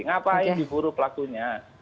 ngapain diburu pelakunya